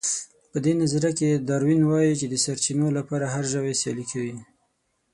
په دې نظريه کې داروېن وايي چې د سرچينو لپاره هر ژوی سيالي کوي.